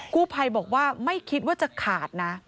กู้ภัยบอกว่าไม่คิดว่าจะขาดนะ